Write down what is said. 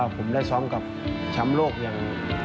ผมได้ซ้อมกับแชมป์โลกอย่าง